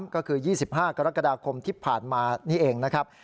ก็คือ๒๕กรกฎาคมที่ผ่านมานี่เองนะครับ